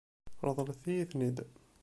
Ṛeḍlet-iyi-ten-id.